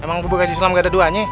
emang bubur gaji sulam gak ada duanya